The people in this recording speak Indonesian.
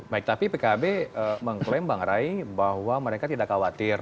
baik tapi pkb mengklaim bang rai bahwa mereka tidak khawatir